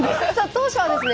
当社はですね